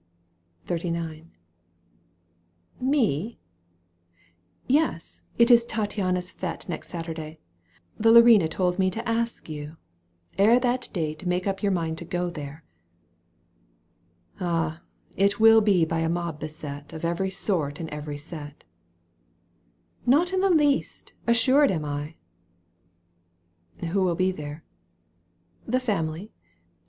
XXXIX. '.« Me ?"—" Yes ! It is Tattiana's fete Next Saturday. The Larina Told me to ask you. Ere that date Make up your mind to go there." —" Ah ! It wiU be by a mob beset Of every sort and every set !"—" Not in the least, assured am I !"—« Who will be there ?"—" The family.